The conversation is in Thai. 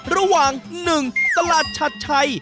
ระหว่าง๑ตลาดชัดชัย